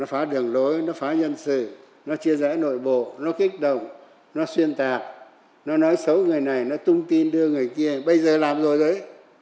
nó phá đường lối nó phá nhân sự nó chia rẽ nội bộ nó kích động nó xuyên tạc nó nói xấu người này nó tung tin đưa người kia bây giờ làm rồi đấy